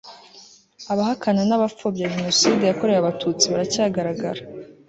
abahakana n'abapfobya jenoside yakorewe abatutsi baracyagaragara